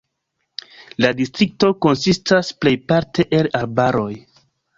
La distrikto konsistas plejparte el arbaroj.